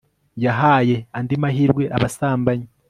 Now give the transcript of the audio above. yahaye andi mahirwe abasambanyi